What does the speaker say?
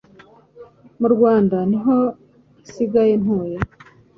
mu rwanda niho nsigaye ntuye